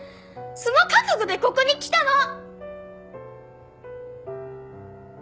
その覚悟でここに来たの！